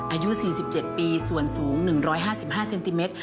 อายุ๔๗ปีส่วนสูง๑๕๕เซนติเมตร